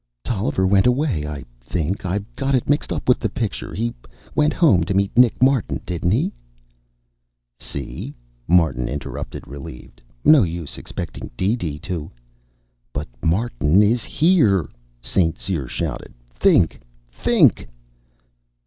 "Tolliver went away, I think. I've got it mixed up with the picture. He went home to meet Nick Martin, didn't he?" "See?" Martin interrupted, relieved. "No use expecting DeeDee to " "But Martin is here!" St. Cyr shouted. "Think, think!"